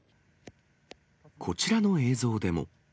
こちらの映像でも。